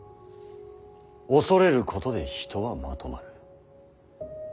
恐れることで人はまとまる。